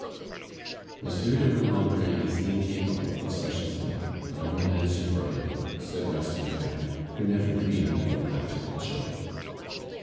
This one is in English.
"Monsieur de Rubempre is incapable of such a thing; I will answer for him," said Rastignac, who never dreamed of a practical joke.